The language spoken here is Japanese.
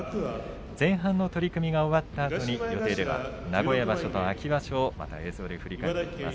前半の取組が終わったあとに予定では名古屋場所と秋場所をまた映像で振り返ります。